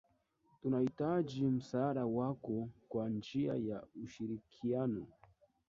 Tunahitaji msaada wako kwa njia ya ushirikiano